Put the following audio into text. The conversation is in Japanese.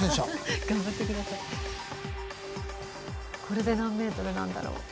これで何ｍなんだろう。